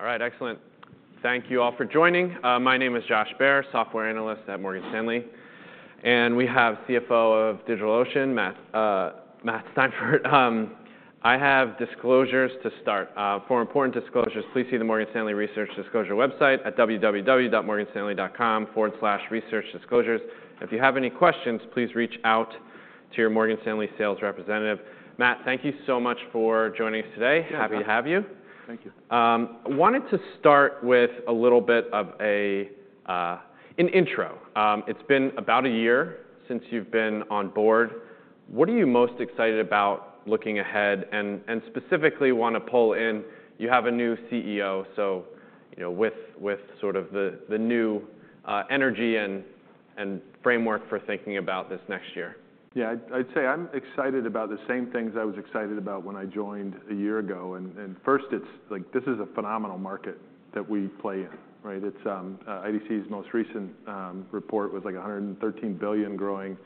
All right, excellent. Thank you all for joining. My name is Josh Baer, Software Analyst at Morgan Stanley. We have CFO of DigitalOcean, Matt Steinfort. I have disclosures to start. For important disclosures, please see the Morgan Stanley Research Disclosure website at www.morganstanley.com/researchdisclosures. If you have any questions, please reach out to your Morgan Stanley sales representative. Matt, thank you so much for joining us today. Yeah. Happy to have you. Thank you. Wanted to start with a little bit of an intro. It's been about a year since you've been on board. What are you most excited about looking ahead and specifically wanna pull in? You have a new CEO, so, you know, with sort of the new energy and framework for thinking about this next year. Yeah, I'd, I'd say I'm excited about the same things I was excited about when I joined a year ago. And, and first, it's like, this is a phenomenal market that we play in, right? It's, IDC's most recent report was like $113 billion growing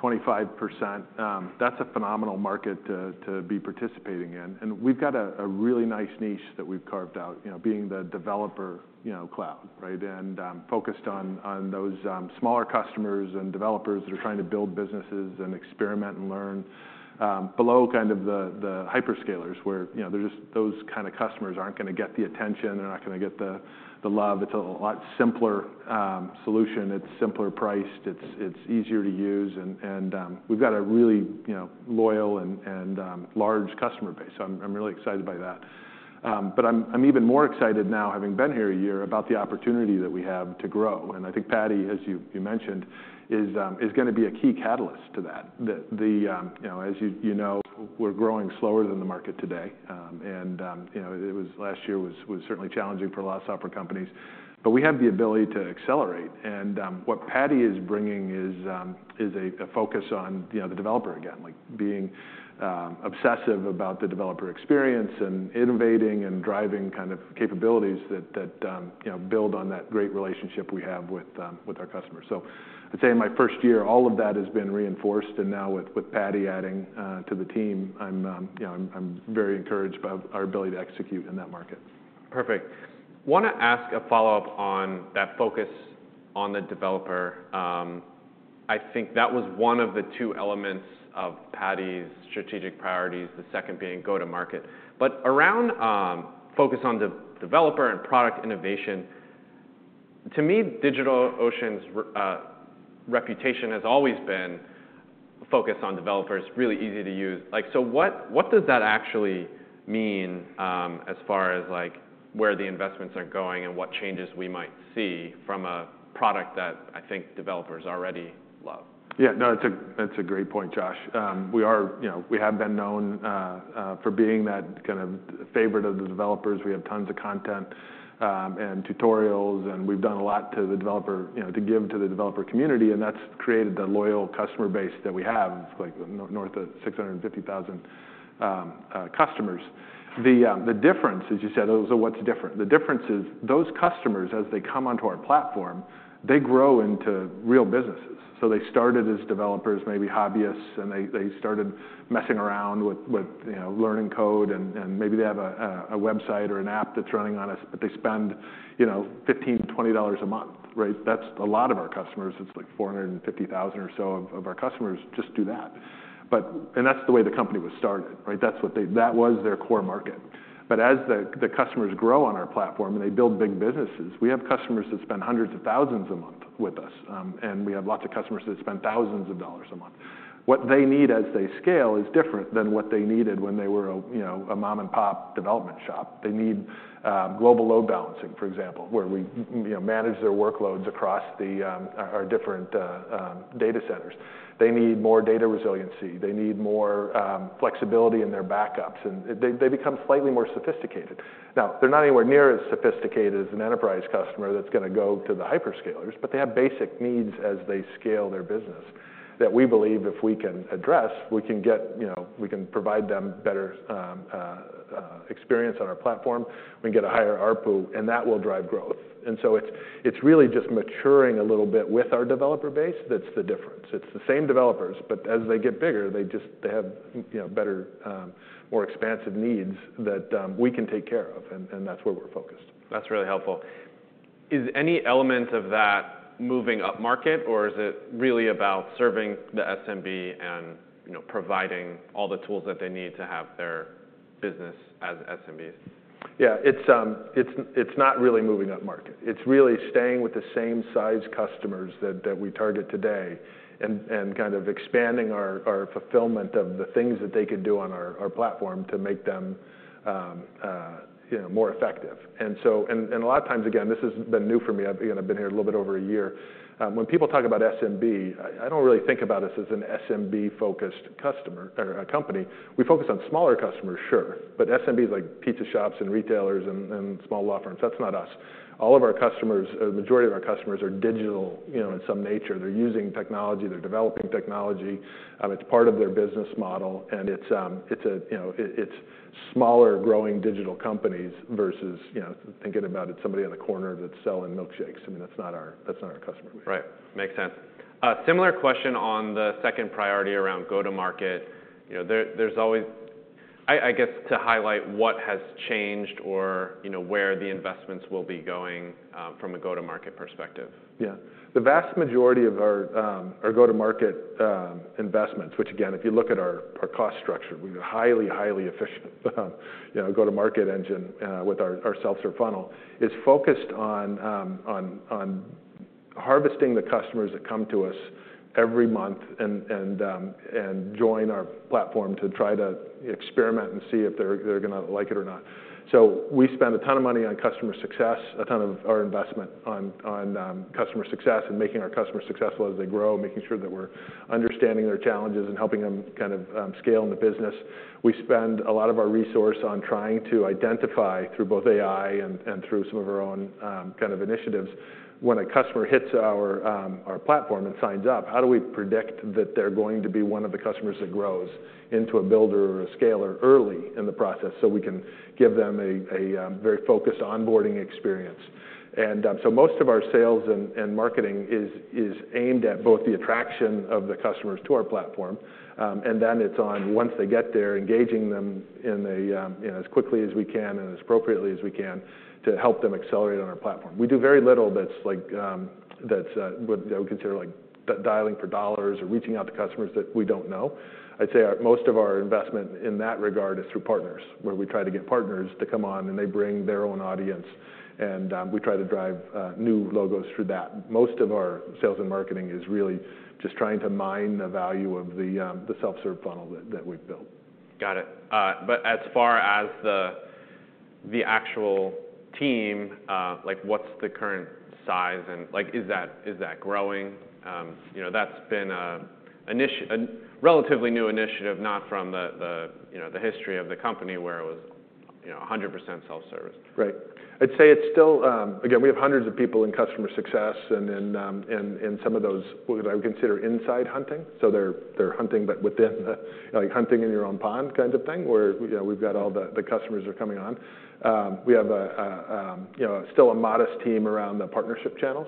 25%. That's a phenomenal market to, to be participating in. And we've got a, a really nice niche that we've carved out, you know, being the developer, you know, cloud, right? And, focused on, on those, smaller customers and developers that are trying to build businesses and experiment and learn, below kind of the, the hyperscalers where, you know, they're just those kinda customers aren't gonna get the attention. They're not gonna get the, the love. It's a lot simpler, solution. It's simpler priced. It's, it's easier to use. And, and, we've got a really, you know, loyal and, and, large customer base. So I'm really excited by that. But I'm even more excited now, having been here a year, about the opportunity that we have to grow. And I think Paddy, as you mentioned, is gonna be a key catalyst to that. The, you know, as you know, we're growing slower than the market today. And, you know, last year was certainly challenging for a lot of software companies. But we have the ability to accelerate. And, what Paddy is bringing is a focus on, you know, the developer again, like, being obsessive about the developer experience and innovating and driving kind of capabilities that, you know, build on that great relationship we have with our customers. So I'd say in my first year, all of that has been reinforced. Now with Paddy adding to the team, you know, I'm very encouraged by our ability to execute in that market. Perfect. Wanna ask a follow-up on that focus on the developer. I think that was one of the two elements of Paddy's strategic priorities, the second being go-to-market. But around, focus on the developer and product innovation, to me, DigitalOcean's reputation has always been focused on developers. Really easy to use. Like, so what, what does that actually mean, as far as, like, where the investments are going and what changes we might see from a product that I think developers already love? Yeah, no, it's, that's a great point, Josh. We are, you know, we have been known for being that kind of favorite of the developers. We have tons of content and tutorials. And we've done a lot to the developer, you know, to give to the developer community. And that's created the loyal customer base that we have, like, no, north of 650,000 customers. The difference, as you said, oh, so what's different? The difference is those customers, as they come onto our platform, they grow into real businesses. So they started as developers, maybe hobbyists. And they started messing around with, with, you know, learning code. And maybe they have a website or an app that's running on us, but they spend, you know, $15, $20 a month, right? That's a lot of our customers. It's like 450,000 or so of our customers just do that. But, and that's the way the company was started, right? That's what that was their core market. But as the customers grow on our platform and they build big businesses, we have customers that spend $hundreds of thousands a month with us. And we have lots of customers that spend thousands of dollars a month. What they need as they scale is different than what they needed when they were a, you know, a mom-and-pop development shop. They need global load balancing, for example, where we, you know, manage their workloads across our different data centers. They need more data resiliency. They need more flexibility in their backups. And they become slightly more sophisticated. Now, they're not anywhere near as sophisticated as an enterprise customer that's gonna go to the hyperscalers. But they have basic needs as they scale their business that we believe if we can address, we can get, you know, we can provide them better experience on our platform. We can get a higher ARPU. And that will drive growth. And so it's really just maturing a little bit with our developer base that's the difference. It's the same developers. But as they get bigger, they just have, you know, better, more expansive needs that we can take care of. And that's where we're focused. That's really helpful. Is any element of that moving up market? Or is it really about serving the SMB and, you know, providing all the tools that they need to have their business as SMBs? Yeah, it's not really moving up market. It's really staying with the same size customers that we target today and kind of expanding our fulfillment of the things that they could do on our platform to make them, you know, more effective. And so, a lot of times, again, this has been new for me. I've, you know, been here a little bit over a year. When people talk about SMB, I don't really think about us as an SMB-focused customer or a company. We focus on smaller customers, sure. But SMBs like pizza shops and retailers and small law firms, that's not us. All of our customers, or the majority of our customers, are digital, you know, in some nature. They're using technology. They're developing technology. It's part of their business model. It's, you know, it's smaller growing digital companies versus, you know, thinking about it's somebody on the corner that's selling milkshakes. I mean, that's not our customer base. Right. Makes sense. Similar question on the second priority around go-to-market. You know, there, there's always, I guess, to highlight what has changed or, you know, where the investments will be going, from a go-to-market perspective. Yeah. The vast majority of our go-to-market investments, which, again, if you look at our cost structure, we have a highly efficient, you know, go-to-market engine with our self-serve funnel, is focused on harvesting the customers that come to us every month and join our platform to try to experiment and see if they're gonna like it or not. So we spend a ton of money on customer success, a ton of our investment on customer success and making our customers successful as they grow, making sure that we're understanding their challenges and helping them kind of scale in the business. We spend a lot of our resource on trying to identify through both AI and through some of our own, kind of initiatives, when a customer hits our platform and signs up, how do we predict that they're going to be one of the customers that grows into a builder or a scaler early in the process so we can give them a very focused onboarding experience? So most of our sales and marketing is aimed at both the attraction of the customers to our platform, and then it's on, once they get there, engaging them, you know, as quickly as we can and as appropriately as we can to help them accelerate on our platform. We do very little that's like what I would consider like dialing for dollars or reaching out to customers that we don't know. I'd say most of our investment in that regard is through partners, where we try to get partners to come on. And they bring their own audience. And we try to drive new logos through that. Most of our sales and marketing is really just trying to mine the value of the self-serve funnel that we've built. Got it. But as far as the actual team, like, what's the current size? And, like, is that growing? You know, that's been a relatively new initiative, not from the, you know, the history of the company where it was, you know, 100% self-service. Right. I'd say it's still, again, we have hundreds of people in customer success. And in some of those, what I would consider inside hunting, so they're hunting but within the, like, hunting in your own pond kind of thing where, you know, we've got all the customers that are coming on. We have a, you know, still a modest team around the partnership channels.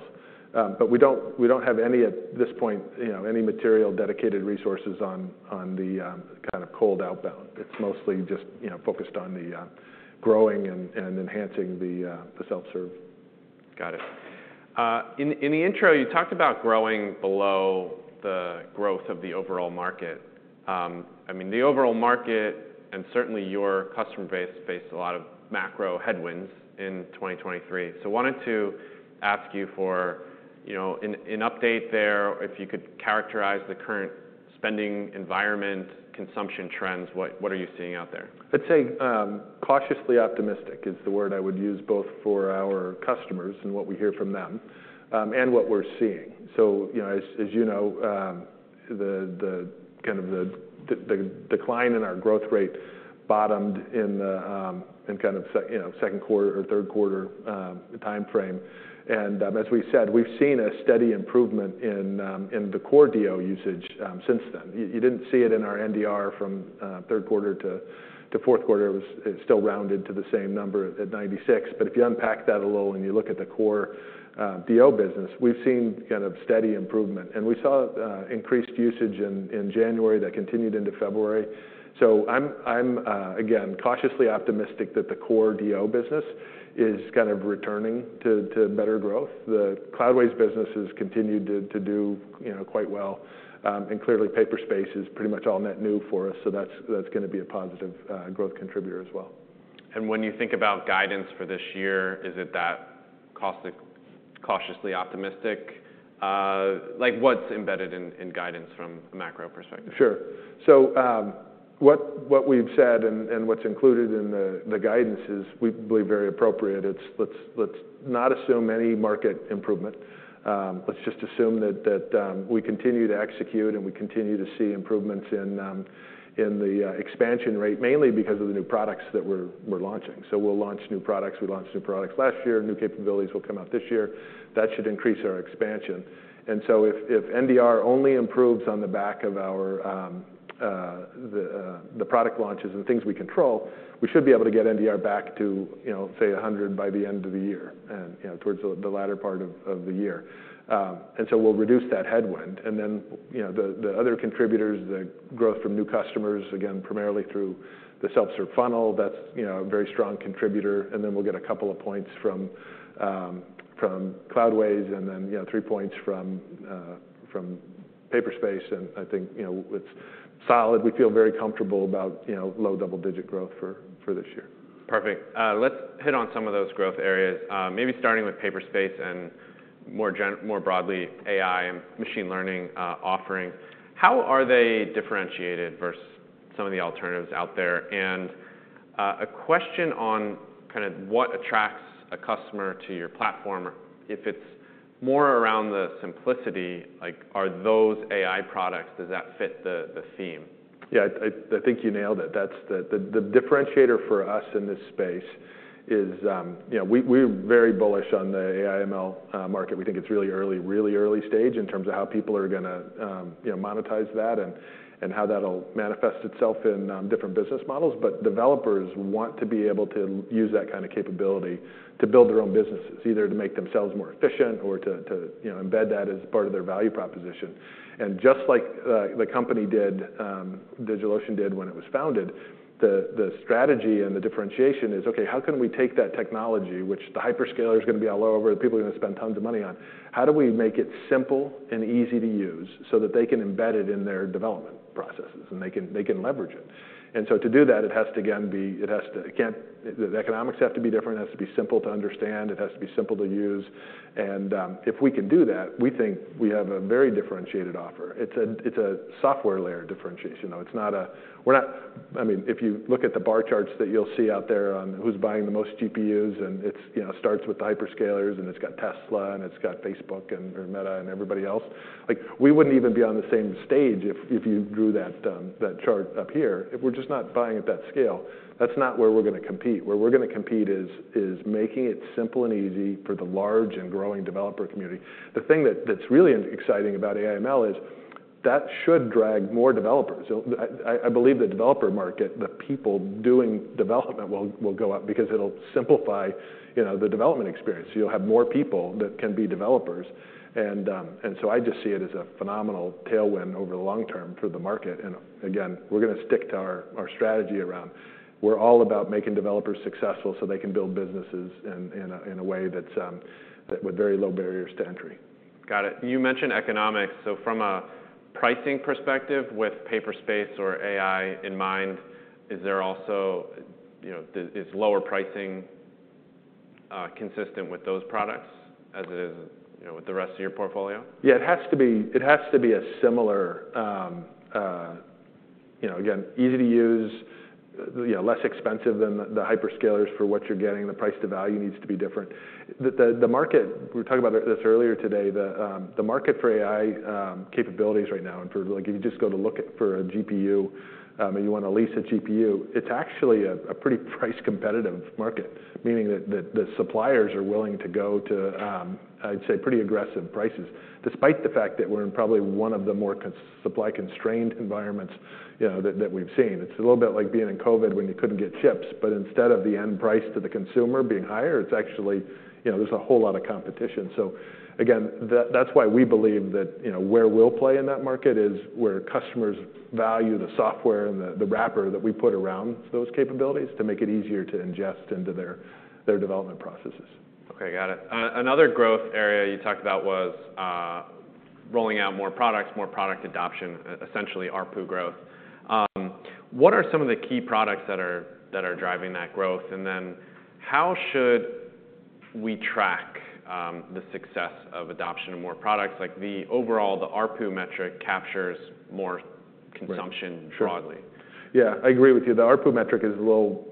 But we don't have any at this point, you know, any material dedicated resources on the kind of cold outbound. It's mostly just, you know, focused on the growing and enhancing the self-serve. Got it. In the intro, you talked about growing below the growth of the overall market. I mean, the overall market and certainly your customer base faced a lot of macro headwinds in 2023. So wanted to ask you for, you know, an update there, if you could characterize the current spending environment, consumption trends. What are you seeing out there? I'd say, cautiously optimistic is the word I would use both for our customers and what we hear from them, and what we're seeing. So, you know, as you know, the decline in our growth rate bottomed in kind of Q, you know, second quarter or third quarter time frame. And, as we said, we've seen a steady improvement in the core DO usage since then. You didn't see it in our NDR from third quarter to fourth quarter. It was; it still rounded to the same number at 96%. But if you unpack that a little and you look at the core DO business, we've seen kind of steady improvement. And we saw increased usage in January that continued into February. So I'm again cautiously optimistic that the core DO business is kind of returning to better growth. The Cloudways business has continued to do, you know, quite well. And clearly, Paperspace is pretty much all net new for us. So that's gonna be a positive growth contributor as well. When you think about guidance for this year, is it that cautiously optimistic? Like, what's embedded in guidance from a macro perspective? Sure. So, what we've said and what's included in the guidance is we believe very appropriate. It's, let's not assume any market improvement. Let's just assume that we continue to execute. And we continue to see improvements in the expansion rate, mainly because of the new products that we're launching. So we'll launch new products. We launched new products last year. New capabilities will come out this year. That should increase our expansion. And so if NDR only improves on the back of our product launches and things we control, we should be able to get NDR back to, you know, say, 100 by the end of the year and, you know, towards the latter part of the year. And so we'll reduce that headwind. And then, you know, the other contributors, the growth from new customers, again, primarily through the self-serve funnel, that's, you know, a very strong contributor. And then we'll get a couple of points from Cloudways and then, you know, 3 points from Paperspace. And I think, you know, it's solid. We feel very comfortable about, you know, low double-digit growth for this year. Perfect. Let's hit on some of those growth areas, maybe starting with Paperspace and more GenAI more broadly, AI and machine learning offering. How are they differentiated versus some of the alternatives out there? And a question on kind of what attracts a customer to your platform. If it's more around the simplicity, like, are those AI products, does that fit the theme? Yeah, I think you nailed it. That's the differentiator for us in this space is, you know, we're very bullish on the AI/ML market. We think it's really early, really early stage in terms of how people are gonna, you know, monetize that and how that'll manifest itself in different business models. But developers want to be able to use that kind of capability to build their own businesses, either to make themselves more efficient or to you know, embed that as part of their value proposition. And just like the company did, DigitalOcean did when it was founded, the strategy and the differentiation is, okay, how can we take that technology, which the hyperscaler is gonna be all over, the people are gonna spend tons of money on, how do we make it simple and easy to use so that they can embed it in their development processes? And they can leverage it. And so to do that, it has to, again, the economics have to be different. It has to be simple to understand. It has to be simple to use. And if we can do that, we think we have a very differentiated offer. It's a software layer differentiation, though. It's not that we're not. I mean, if you look at the bar charts that you'll see out there on who's buying the most GPUs, and it's, you know, starts with the hyperscalers. And it's got Tesla. And it's got Facebook or Meta and everybody else. Like, we wouldn't even be on the same stage if you drew that chart up here. We're just not buying at that scale. That's not where we're gonna compete. Where we're gonna compete is making it simple and easy for the large and growing developer community. The thing that's really exciting about AI/ML is that it should drag more developers. I believe the developer market, the people doing development, will go up because it'll simplify the development experience. You know, you'll have more people that can be developers. So, I just see it as a phenomenal tailwind over the long term for the market. And, again, we're gonna stick to our strategy around we're all about making developers successful so they can build businesses in a way that's with very low barriers to entry. Got it. You mentioned economics. From a pricing perspective, with Paperspace or AI in mind, is there also you know, is lower pricing, consistent with those products as it is, you know, with the rest of your portfolio? Yeah, it has to be it has to be a similar, you know, again, easy to use, you know, less expensive than the hyperscalers for what you're getting. The price-to-value needs to be different. The market we were talking about this earlier today, the market for AI capabilities right now and for like, if you just go to look at for a GPU, and you wanna lease a GPU, it's actually a pretty price-competitive market, meaning that the suppliers are willing to go to, I'd say, pretty aggressive prices, despite the fact that we're in probably one of the more supply-constrained environments, you know, that we've seen. It's a little bit like being in COVID when you couldn't get chips. But instead of the end price to the consumer being higher, it's actually, you know, there's a whole lot of competition. Again, that's why we believe that, you know, where we'll play in that market is where customers value the software and the wrapper that we put around those capabilities to make it easier to ingest into their development processes. Okay. Got it. Another growth area you talked about was rolling out more products, more product adoption, essentially ARPU growth. What are some of the key products that are driving that growth? And then how should we track the success of adoption of more products? Like, the overall, the ARPU metric captures more consumption broadly. Right. Sure. Yeah, I agree with you. The ARPU metric is a little;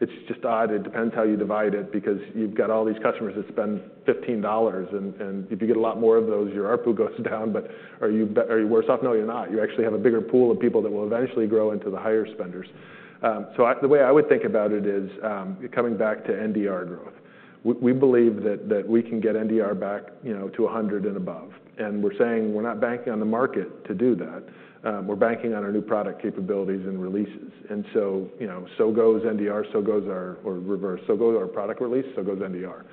it's just odd. It depends how you divide it because you've got all these customers that spend $15. And if you get a lot more of those, your ARPU goes down. But are you worse off? No, you're not. You actually have a bigger pool of people that will eventually grow into the higher spenders. So the way I would think about it is, coming back to NDR growth, we believe that we can get NDR back, you know, to 100 and above. And we're saying we're not banking on the market to do that. We're banking on our new product capabilities and releases. And so, you know, so goes NDR. So goes our, or reverse. So goes our product release. So goes NDR.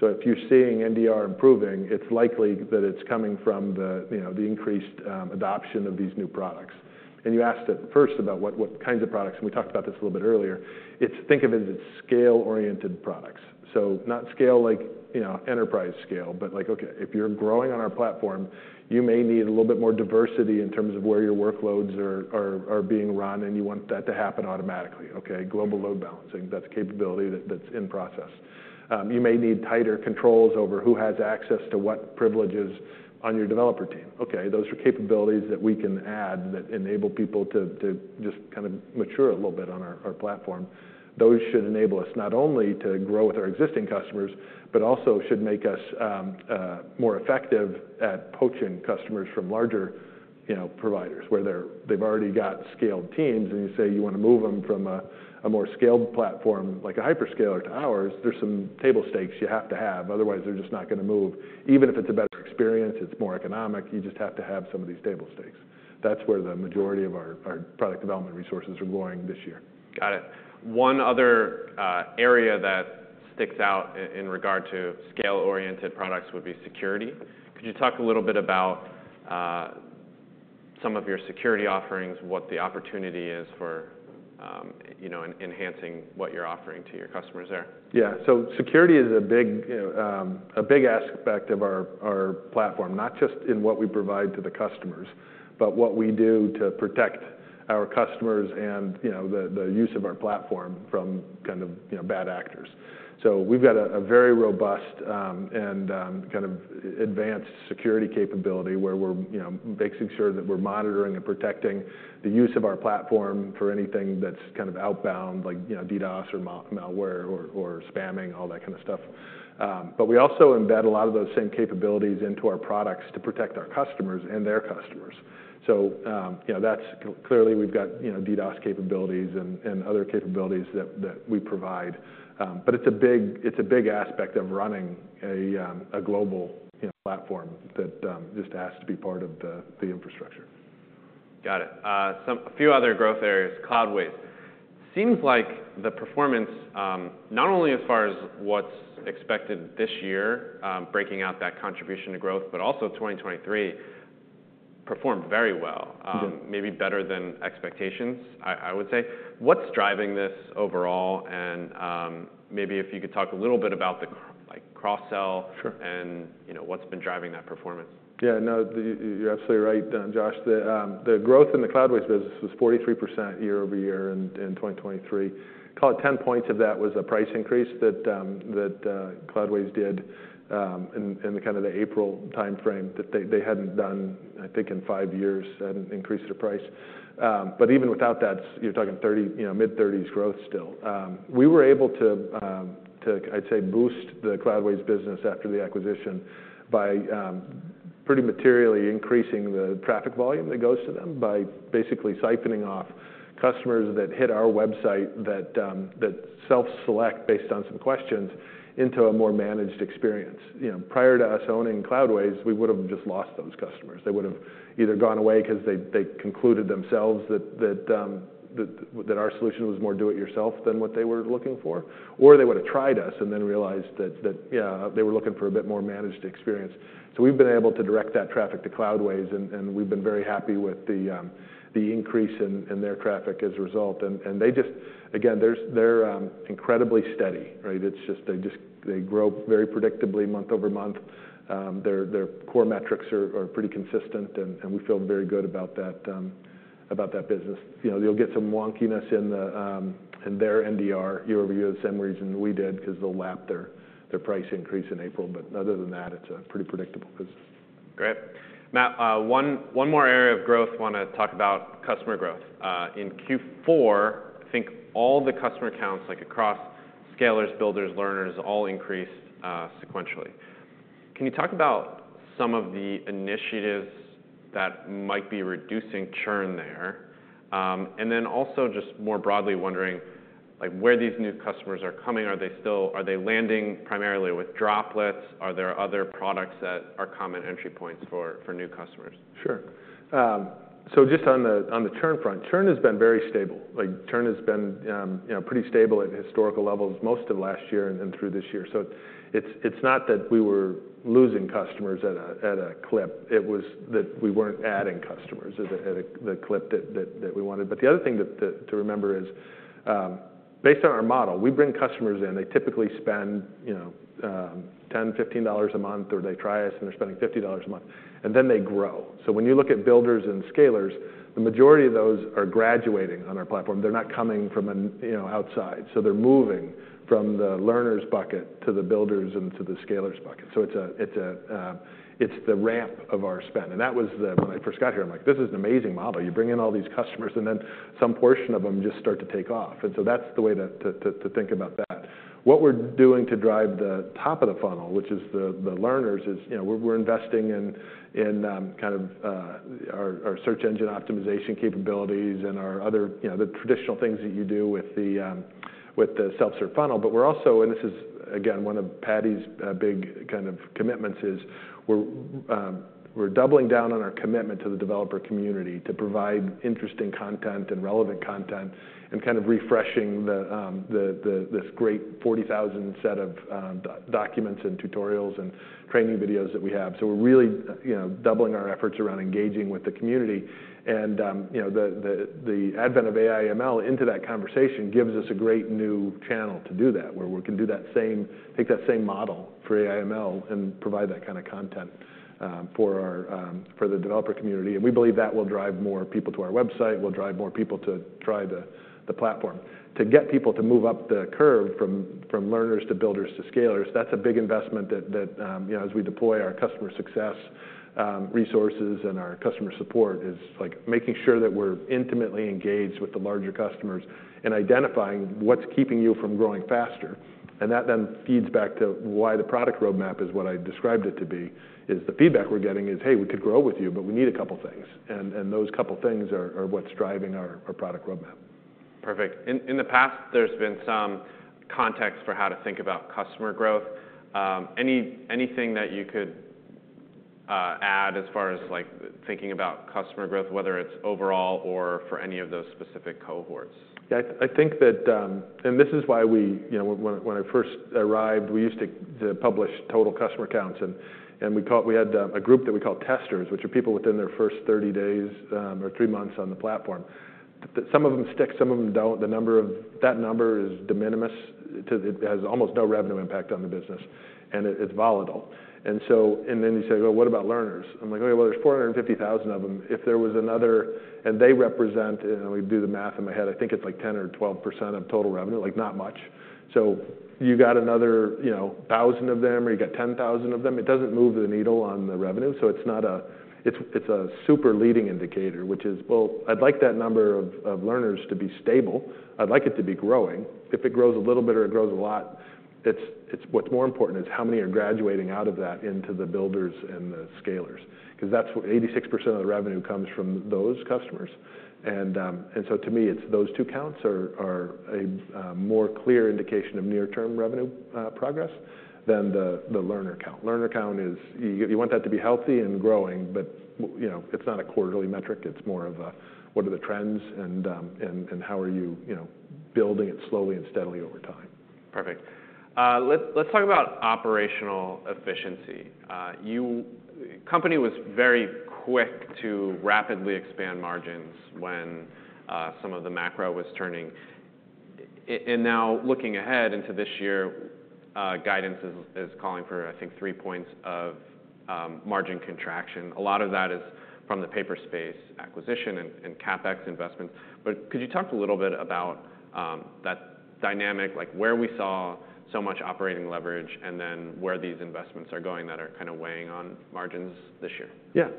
So if you're seeing NDR improving, it's likely that it's coming from the, you know, the increased adoption of these new products. You asked at first about what kinds of products and we talked about this a little bit earlier. Think of it as it's scale-oriented products, so not scale like, you know, enterprise scale, but like, okay, if you're growing on our platform, you may need a little bit more diversity in terms of where your workloads are being run. And you want that to happen automatically, okay, global load balancing. That's capability that, that's in process. You may need tighter controls over who has access to what privileges on your developer team. Okay, those are capabilities that we can add that enable people to just kind of mature a little bit on our platform. Those should enable us not only to grow with our existing customers but also should make us more effective at poaching customers from larger, you know, providers where they've already got scaled teams. And you say you wanna move them from a more scaled platform like a hyperscaler to ours, there's some table stakes you have to have. Otherwise, they're just not gonna move. Even if it's a better experience, it's more economic, you just have to have some of these table stakes. That's where the majority of our product development resources are going this year. Got it. One other area that sticks out in regard to scale-oriented products would be security. Could you talk a little bit about some of your security offerings, what the opportunity is for, you know, enhancing what you're offering to your customers there? Yeah. So security is a big, you know, a big aspect of our, our platform, not just in what we provide to the customers but what we do to protect our customers and, you know, the, the use of our platform from kind of, you know, bad actors. So we've got a, a very robust, and, kind of advanced security capability where we're, you know, making sure that we're monitoring and protecting the use of our platform for anything that's kind of outbound like, you know, DDoS or malware or, or spamming, all that kind of stuff. But we also embed a lot of those same capabilities into our products to protect our customers and their customers. So, you know, that's clearly, we've got, you know, DDoS capabilities and, and other capabilities that, that we provide. But it's a big aspect of running a global, you know, platform that just has to be part of the infrastructure. Got it. A few other growth areas. Cloudways seems like the performance, not only as far as what's expected this year, breaking out that contribution to growth, but also 2023 performed very well. Yeah. Maybe better than expectations, I would say. What's driving this overall? Maybe if you could talk a little bit about the, like, cross-sell. Sure. You know, what's been driving that performance? Yeah. No, you're absolutely right, Josh. The growth in the Cloudways business was 43% year-over-year in 2023. Call it 10 points of that was a price increase that Cloudways did in the kind of the April time frame that they hadn't done, I think, in five years, hadn't increased their price. But even without that, you're talking 30, you know, mid-30s growth still. We were able to, I'd say, boost the Cloudways business after the acquisition by pretty materially increasing the traffic volume that goes to them by basically siphoning off customers that hit our website that self-select based on some questions into a more managed experience. You know, prior to us owning Cloudways, we would've just lost those customers. They would've either gone away 'cause they concluded themselves that our solution was more do-it-yourself than what they were looking for, or they would've tried us and then realized that, yeah, they were looking for a bit more managed experience. So we've been able to direct that traffic to Cloudways. And we've been very happy with the increase in their traffic as a result. And they just again, they're incredibly steady, right? It's just they grow very predictably month-over-month. Their core metrics are pretty consistent. And we feel very good about that business. You know, you'll get some wonkiness in their NDR year-over-year the same reason we did 'cause they'll lap their price increase in April. But other than that, it's a pretty predictable business. Great. Matt, one more area of growth, wanna talk about customer growth. In Q4, I think all the customer counts, like, across scalers, builders, learners, all increased sequentially. Can you talk about some of the initiatives that might be reducing churn there? And then also just more broadly wondering, like, where these new customers are coming. Are they still landing primarily with Droplets? Are there other products that are common entry points for new customers? Sure. So just on the churn front, churn has been very stable. Like, churn has been, you know, pretty stable at historical levels most of last year and through this year. So it's not that we were losing customers at a clip. It was that we weren't adding customers at the clip that we wanted. But the other thing to remember is, based on our model, we bring customers in. They typically spend, you know, $10, $15 a month, or they try us, and they're spending $50 a month. And then they grow. So when you look at builders and scalers, the majority of those are graduating on our platform. They're not coming from, you know, outside. So they're moving from the learners bucket to the builders and to the scalers bucket. So it's the ramp of our spend. And that was when I first got here. I'm like, "This is an amazing model. You bring in all these customers, and then some portion of them just start to take off." And so that's the way to think about that. What we're doing to drive the top of the funnel, which is the learners, is, you know, we're investing in kind of our search engine optimization capabilities and our other, you know, the traditional things that you do with the self-serve funnel. But we're also, and this is, again, one of Paddy's big kind of commitments, is we're doubling down on our commitment to the developer community to provide interesting content and relevant content and kind of refreshing this great 40,000 set of DO documents and tutorials and training videos that we have. So we're really, you know, doubling our efforts around engaging with the community. And, you know, the advent of AI/ML into that conversation gives us a great new channel to do that where we can do that same take that same model for AI/ML and provide that kind of content for the developer community. And we believe that will drive more people to our website. It will drive more people to try the platform. To get people to move up the curve from learners to builders to scalers, that's a big investment that, you know, as we deploy our customer success resources and our customer support, is like making sure that we're intimately engaged with the larger customers and identifying what's keeping you from growing faster. And that then feeds back to why the product roadmap is what I described it to be, the feedback we're getting is, "Hey, we could grow with you, but we need a couple things." And those couple things are what's driving our product roadmap. Perfect. In the past, there's been some context for how to think about customer growth. Anything that you could add as far as, like, thinking about customer growth, whether it's overall or for any of those specific cohorts? Yeah. I think that, and this is why we, you know, when I first arrived, we used to publish total customer counts. And we had a group that we called testers, which are people within their first 30 days, or three months on the platform. Some of them stick. Some of them don't. The number of that number is de minimis. It has almost no revenue impact on the business. And it, it's volatile. And so then you say, "Well, what about learners?" I'm like, "Okay. Well, there's 450,000 of them. If there was another and they represent" and I would do the math in my head. I think it's, like, 10% or 12% of total revenue, like, not much. So you got another, you know, 1,000 of them or you got 10,000 of them. It doesn't move the needle on the revenue. So it's not, it's a super leading indicator, which is, "Well, I'd like that number of learners to be stable. I'd like it to be growing. If it grows a little bit or it grows a lot, it's what's more important is how many are graduating out of that into the builders and the scalers?" 'Cause that's what 86% of the revenue comes from those customers. And so to me, it's those two counts are a more clear indication of near-term revenue progress than the learner count. Learner count is, you want that to be healthy and growing. But, you know, it's not a quarterly metric. It's more of a, "What are the trends? And how are you, you know, building it slowly and steadily over time? Perfect. Let's talk about operational efficiency. Your company was very quick to rapidly expand margins when some of the macro was turning. And now looking ahead into this year, guidance is calling for, I think, three points of margin contraction. A lot of that is from the Paperspace acquisition and CapEx investments. But could you talk a little bit about that dynamic, like, where we saw so much operating leverage and then where these investments are going that are kind of weighing on margins this year? Yeah.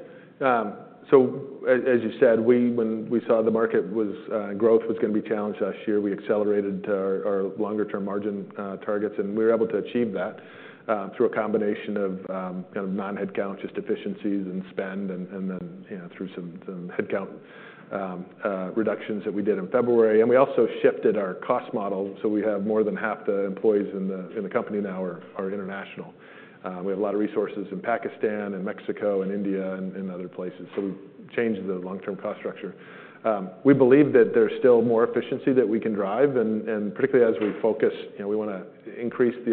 So as you said, when we saw the market growth was gonna be challenged last year, we accelerated our longer-term margin targets. And we were able to achieve that through a combination of kind of non-headcount efficiencies and spend, and then, you know, through some headcount reductions that we did in February. And we also shifted our cost model. So we have more than half the employees in the company now are international. We have a lot of resources in Pakistan and Mexico and India and other places. So we've changed the long-term cost structure. We believe that there's still more efficiency that we can drive. And particularly as we focus, you know, we wanna increase the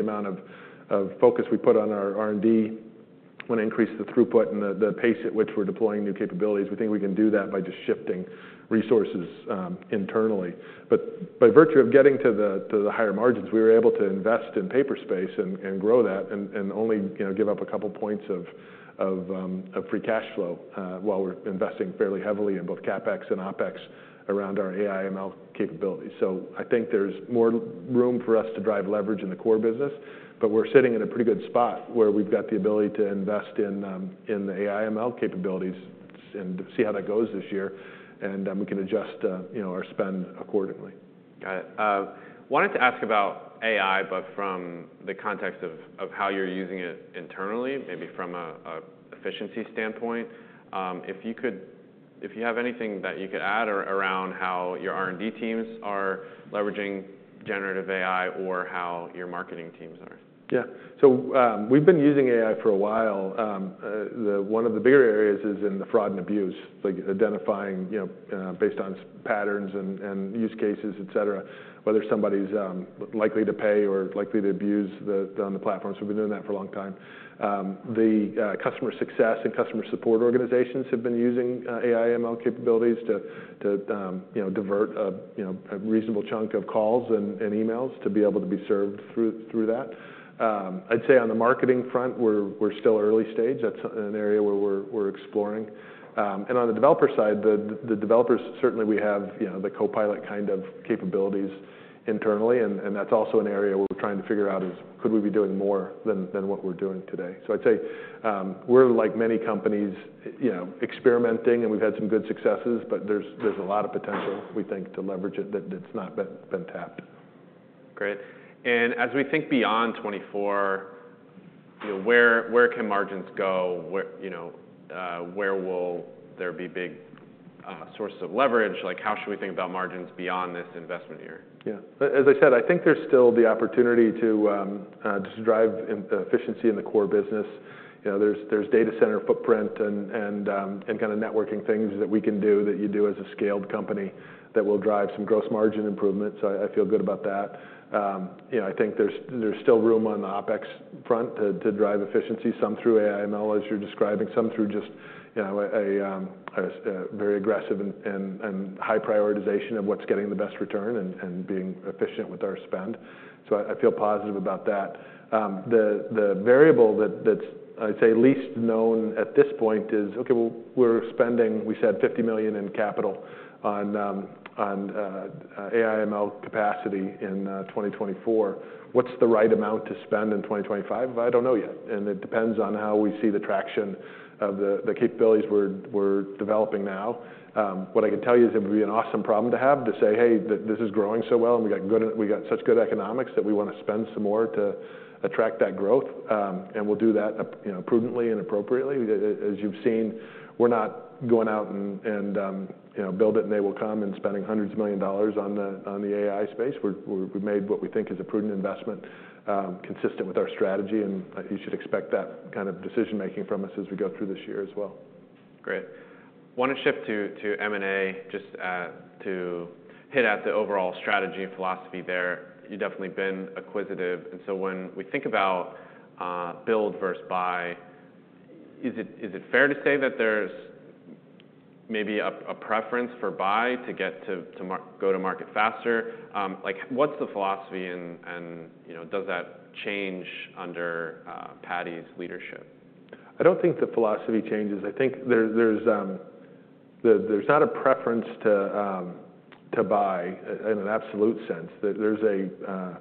amount of focus we put on our R&D. We wanna increase the throughput and the pace at which we're deploying new capabilities. We think we can do that by just shifting resources, internally. But by virtue of getting to the higher margins, we were able to invest in Paperspace and grow that and only, you know, give up a couple points of free cash flow, while we're investing fairly heavily in both CapEx and OpEx around our AI/ML capabilities. So I think there's more room for us to drive leverage in the core business. But we're sitting in a pretty good spot where we've got the ability to invest in the AI/ML capabilities and see how that goes this year. And we can adjust, you know, our spend accordingly. Got it. Wanted to ask about AI but from the context of how you're using it internally, maybe from a efficiency standpoint. If you have anything that you could add or around how your R&D teams are leveraging generative AI or how your marketing teams are. Yeah. So, we've been using AI for a while. The one of the bigger areas is in the fraud and abuse. Like, identifying, you know, based on patterns and, and use cases, etc., whether somebody's likely to pay or likely to abuse the on the platform. So we've been doing that for a long time. The customer success and customer support organizations have been using AI/ML capabilities to, to, you know, divert a, you know, a reasonable chunk of calls and, and emails to be able to be served through, through that. I'd say on the marketing front, we're, we're still early stage. That's an area where we're, we're exploring. And on the developer side, the, the developers certainly, we have, you know, the Copilot kind of capabilities internally. And that's also an area we're trying to figure out is, could we be doing more than what we're doing today? So I'd say, we're like many companies, you know, experimenting. And we've had some good successes. But there's a lot of potential, we think, to leverage it that's not been tapped. Great. And as we think beyond 2024, you know, where, where can margins go? Where, you know, where will there be big, sources of leverage? Like, how should we think about margins beyond this investment year? Yeah. As I said, I think there's still the opportunity to just drive in efficiency in the core business. You know, there's data center footprint and kind of networking things that we can do that you do as a scaled company that will drive some gross margin improvement. So I feel good about that. You know, I think there's still room on the OpEx front to drive efficiency, some through AI/ML as you're describing, some through just a very aggressive and high prioritization of what's getting the best return and being efficient with our spend. So I feel positive about that. The variable that's, I'd say, least known at this point is, "Okay. Well, we're spending—we said $50 million in capital on AI/ML capacity in 2024. What's the right amount to spend in 2025? I don't know yet. It depends on how we see the traction of the capabilities we're developing now. What I can tell you is it would be an awesome problem to have to say, "Hey, this is growing so well, and we got such good economics that we wanna spend some more to attract that growth." And we'll do that, you know, prudently and appropriately. As you've seen, we're not going out and, you know, build it, and they will come and spending $hundreds of millions on the AI space. We made what we think is a prudent investment, consistent with our strategy. And you should expect that kind of decision-making from us as we go through this year as well. Great. Wanna shift to M&A just to hit at the overall strategy and philosophy there. You've definitely been acquisitive. And so when we think about build versus buy, is it fair to say that there's maybe a preference for buy to get to go-to-market faster? Like, what's the philosophy? And you know, does that change under Paddy's leadership? I don't think the philosophy changes. I think there's not a preference to buy in an absolute sense. There's a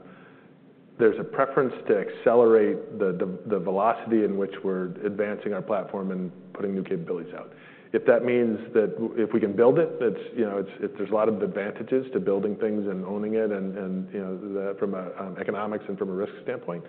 preference to accelerate the velocity in which we're advancing our platform and putting new capabilities out. If that means if we can build it, that's, you know, there's a lot of advantages to building things and owning it and, you know, that from an economic and from a risk standpoint.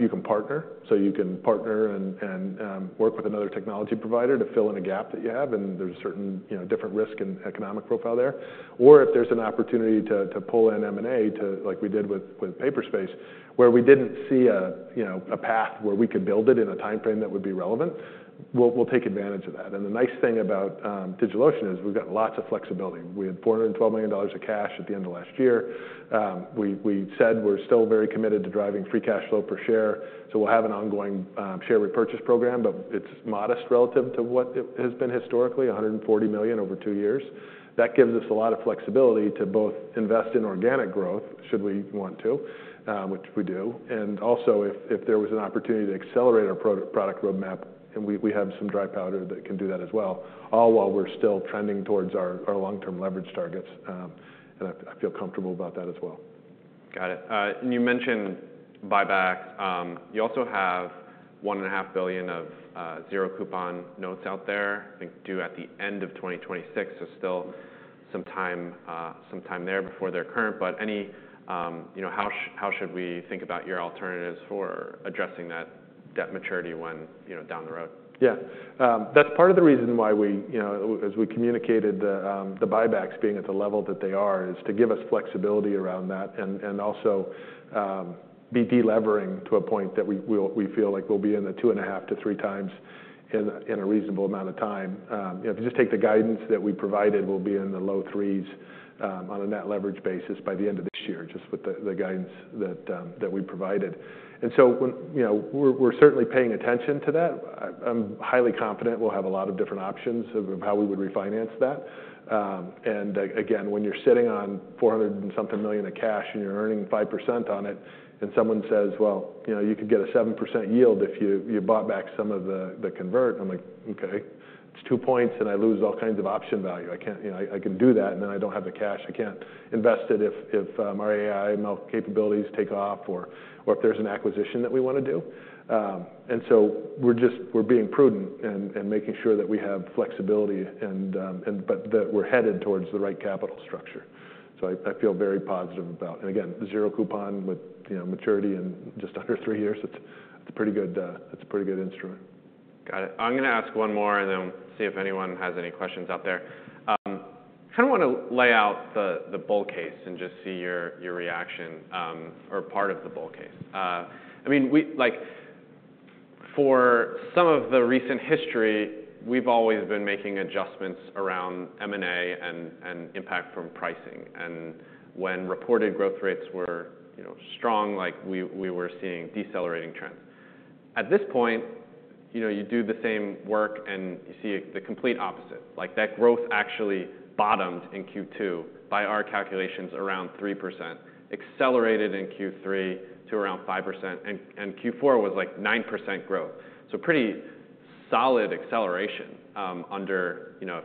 You can partner. So you can partner and work with another technology provider to fill in a gap that you have. And there's a certain, you know, different risk and economic profile there. Or if there's an opportunity to pull in M&A to, like we did with Paperspace, where we didn't see a, you know, a path where we could build it in a timeframe that would be relevant, we'll take advantage of that. And the nice thing about DigitalOcean is we've gotten lots of flexibility. We had $412 million of cash at the end of last year. We said we're still very committed to driving free cash flow per share. So we'll have an ongoing share repurchase program. But it's modest relative to what it has been historically, $140 million over two years. That gives us a lot of flexibility to both invest in organic growth should we want to, which we do. Also, if there was an opportunity to accelerate our pro-product roadmap, and we have some dry powder that can do that as well, all while we're still trending towards our long-term leverage targets. I feel comfortable about that as well. Got it. You mentioned buyback. You also have $1.5 billion of zero-coupon notes out there, I think due at the end of 2026. So still some time there before their current. But any, you know, how should we think about your alternatives for addressing that debt maturity when, you know, down the road? Yeah. That's part of the reason why we, you know, as we communicated the, the buybacks being at the level that they are is to give us flexibility around that and, and also, be delevering to a point that we, we'll we feel like we'll be in the 2.5-3 times in a reasonable amount of time. You know, if you just take the guidance that we provided, we'll be in the low threes, on a net leverage basis by the end of this year, just with the guidance that we provided. And so when, you know, we're certainly paying attention to that. I'm highly confident we'll have a lot of different options of how we would refinance that. And again, when you're sitting on $400-and-something million of cash and you're earning 5% on it, and someone says, "Well, you know, you could get a 7% yield if you bought back some of the convert," I'm like, "Okay. It's two points. And I lose all kinds of option value. I can't, you know, I can do that. And then I don't have the cash. I can't invest it if our AI/ML capabilities take off or if there's an acquisition that we wanna do." And so we're just being prudent and making sure that we have flexibility and but that we're headed towards the right capital structure. So I feel very positive about and again, zero coupon with, you know, maturity and just under three years. It's a pretty good instrument. Got it. I'm gonna ask one more and then see if anyone has any questions out there. Kinda wanna lay out the, the bull case and just see your, your reaction, or part of the bull case. I mean, we like, for some of the recent history, we've always been making adjustments around M&A and, and impact from pricing. And when reported growth rates were, you know, strong, like, we, we were seeing decelerating trends. At this point, you know, you do the same work and you see the complete opposite. Like, that growth actually bottomed in Q2 by our calculations around 3%, accelerated in Q3 to around 5%. And, and Q4 was like 9% growth. So pretty solid acceleration, under, you know,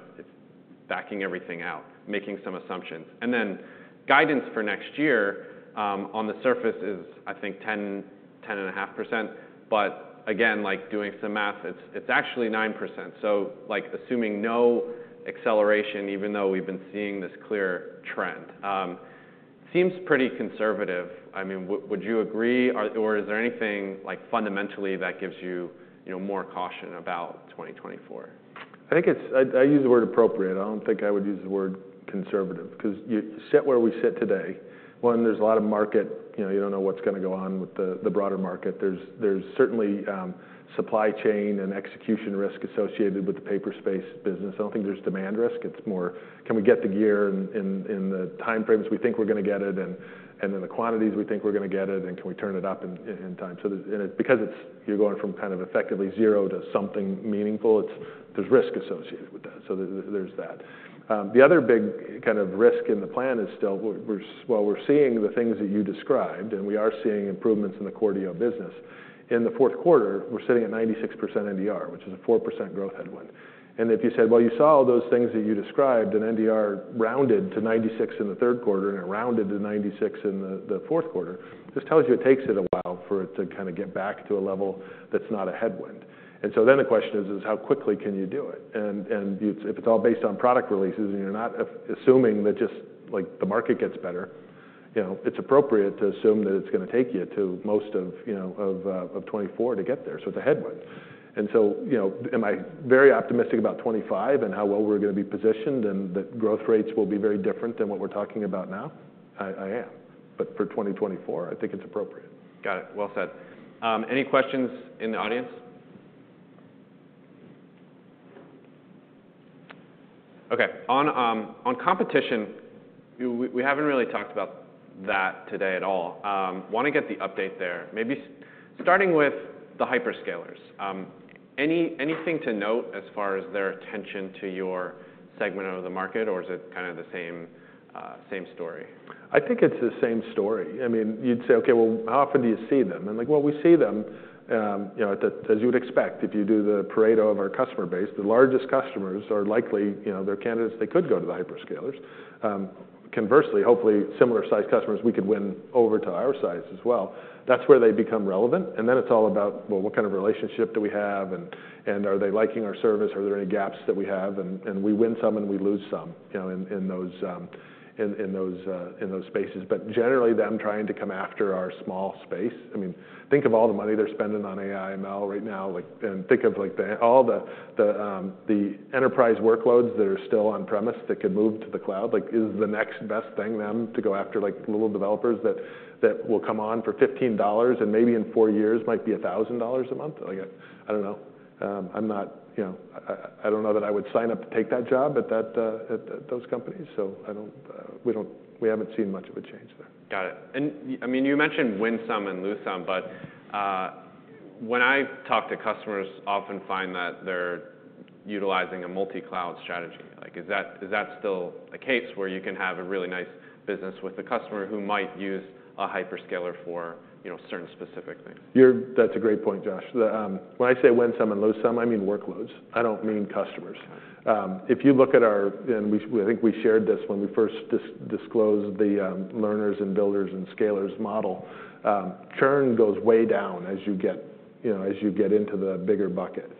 backing everything out, making some assumptions. And then guidance for next year, on the surface is, I think, 10%-10.5%. But again, like, doing some math, it's actually 9%. So like, assuming no acceleration even though we've been seeing this clear trend, seems pretty conservative. I mean, would you agree? Or is there anything, like, fundamentally that gives you, you know, more caution about 2024? I think it's, I, I use the word appropriate. I don't think I would use the word conservative 'cause you sit where we sit today. One, there's a lot of market, you know, you don't know what's gonna go on with the, the broader market. There's, there's certainly supply chain and execution risk associated with the Paperspace business. I don't think there's demand risk. It's more, can we get the gear in, in, in the timeframes we think we're gonna get it and, and in the quantities we think we're gonna get it? And can we turn it up in, in, in time? So there's and it's because it's you're going from kind of effectively zero to something meaningful, it's there's risk associated with that. So there's that. The other big kind of risk in the plan is still, while we're seeing the things that you described and we are seeing improvements in the Cloudways business, in the fourth quarter, we're sitting at 96% NDR, which is a 4% growth headwind. And if you said, "Well, you saw all those things that you described, and NDR rounded to 96 in the third quarter and it rounded to 96 in the fourth quarter," this tells you it takes it a while for it to kinda get back to a level that's not a headwind. And so then the question is, how quickly can you do it? And you, it's if it's all based on product releases and you're not assuming that just, like, the market gets better, you know, it's appropriate to assume that it's gonna take you to most of, you know, 2024 to get there. So it's a headwind. So, you know, am I very optimistic about 2025 and how well we're gonna be positioned and that growth rates will be very different than what we're talking about now? I am. But for 2024, I think it's appropriate. Got it. Well said. Any questions in the audience? Okay. On competition, we haven't really talked about that today at all. Wanna get the update there, maybe starting with the hyperscalers. Anything to note as far as their attention to your segment of the market? Or is it kinda the same, same story? I think it's the same story. I mean, you'd say, "Okay. Well, how often do you see them?" And like, well, we see them, you know, at the rate as you would expect if you do the Pareto of our customer base, the largest customers are likely, you know, they're candidates they could go to the hyperscalers. Conversely, hopefully, similar-sized customers, we could win over to our size as well. That's where they become relevant. And then it's all about, well, what kind of relationship do we have? And are they liking our service? Are there any gaps that we have? And we win some, and we lose some, you know, in those spaces. But generally, them trying to come after our small space. I mean, think of all the money they're spending on AI/ML right now, like, and think of, like, all the enterprise workloads that are still on-premise that could move to the cloud. Like, is the next best thing them to go after, like, little developers that will come on for $15 and maybe in four years might be $1,000 a month? Like, I don't know. I'm not, you know, I don't know that I would sign up to take that job at those companies. So, I don't. We don't. We haven't seen much of a change there. Got it. And yeah, I mean, you mentioned win some and lose some. But when I talk to customers, I often find that they're utilizing a multi-cloud strategy. Like, is that still the case where you can have a really nice business with a customer who might use a hyperscaler for, you know, certain specific things? Yeah, that's a great point, Josh. When I say win some and lose some, I mean workloads. I don't mean customers. Got it. If you look at our and we, I think we shared this when we first disclosed the learners and builders and scalers model, churn goes way down as you get, you know, as you get into the bigger bucket.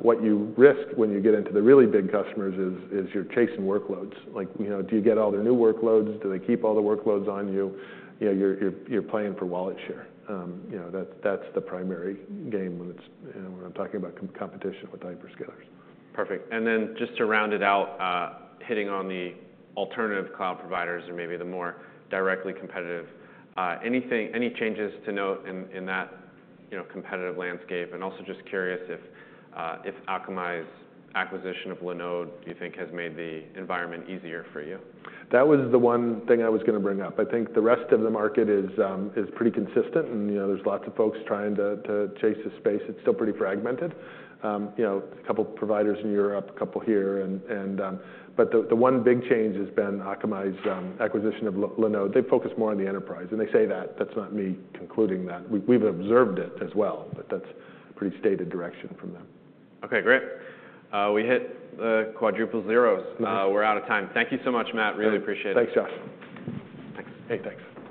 What you risk when you get into the really big customers is you're chasing workloads. Like, you know, do you get all their new workloads? Do they keep all the workloads on you? You know, you're playing for wallet share. You know, that's the primary game when it's, you know, when I'm talking about competition with hyperscalers. Perfect. And then just to round it out, hitting on the alternative cloud providers or maybe the more directly competitive, anything any changes to note in that, you know, competitive landscape? And also just curious if Akamai's acquisition of Linode, do you think, has made the environment easier for you? That was the one thing I was gonna bring up. I think the rest of the market is pretty consistent. You know, there's lots of folks trying to chase this space. It's still pretty fragmented. You know, a couple providers in Europe, a couple here. But the one big change has been Akamai's acquisition of Linode. They focus more on the enterprise. And they say that. That's not me concluding that. We've observed it as well. But that's a pretty stated direction from them. Okay. Great. We hit the quadruple zeros. Nice. We're out of time. Thank you so much, Matt. Really appreciate it. Thanks, Josh. Thanks. Hey, thanks.